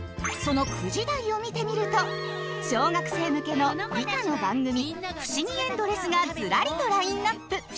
その９時台を見てみると小学生向けの理科の番組「ふしぎエンドレス」がズラリとラインナップ。